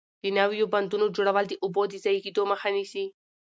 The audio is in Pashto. د نويو بندونو جوړول د اوبو د ضایع کېدو مخه نیسي.